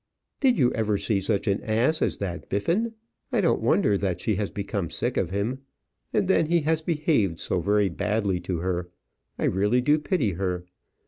"Did you ever see such an ass as that Biffin? I don't wonder that she has become sick of him; and then he has behaved so very badly to her. I really do pity her.